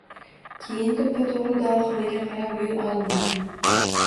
Keyin to‘ppa-to‘g‘ri dorixonaga qarab yo‘l olinadi.